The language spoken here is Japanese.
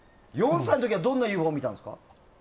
４歳の時はどんなＵＦＯを見たんですか？